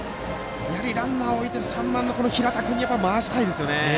やはりランナーを置いて３番の平田君に回したいですよね。